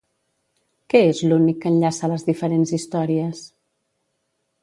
Què és l'únic que enllaça les diferents històries?